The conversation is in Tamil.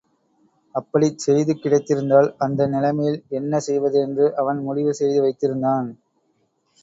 அப்படிச் செய்தி கிடைத்திருந்தால் அந்த நிலைமையில் என்ன செய்வது என்று அவன் முடிவு செய்து வைத்திருந்தான்.